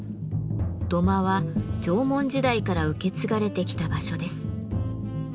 土間は縄文時代から受け継がれてきた場所です。